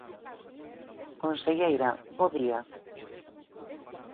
Conselleira, bo día.